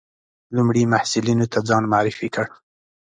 لومړي محصلینو ته ځان معرفي کړ.